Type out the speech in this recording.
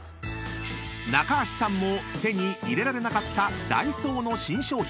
［中橋さんも手に入れられなかったダイソーの新商品。